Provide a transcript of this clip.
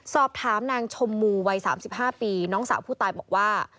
สอบถามนางชมมูวัย๓๕ปีน้องสาวผู้ตายบอกว่า